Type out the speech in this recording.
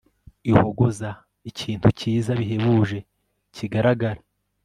ihogoza ikintu kiza bihebuje kigaragara